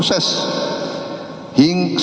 dan memperbaiki seluruh proses